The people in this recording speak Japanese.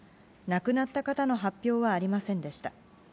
亡くなった方の発表はありませんでした。